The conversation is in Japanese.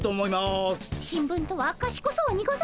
新聞とはかしこそうにございますね。